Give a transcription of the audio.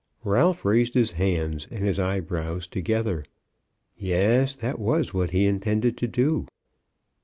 Ralph raised his hands and his eyebrows together. Yes; that was what he intended to do.